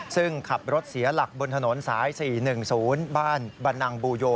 ซึ่งขับรถเสียหลักบนถนนสาย๔๑๐บ้านบรรนังบูโย